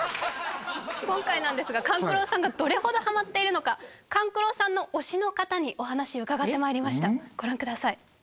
今回なんですが勘九郎さんがどれほどハマっているのか勘九郎さんの推しの方にお話伺ってまいりましたご覧ください